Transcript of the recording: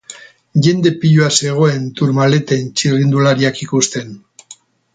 Jende piloa zegoen Tourmaleten txirrindulariak ikusten.